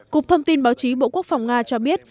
cục thông tin báo chí bộ quốc phòng nga cho biết